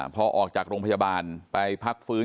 พอออกจากโรงพยาบาลไปพักฟื้น